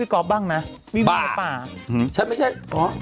พี่จะเล่าให้ฉันฟังเลยมีแต่แบบจะตบกูทั้งวันเลยบอกขอกินหน่อยสิ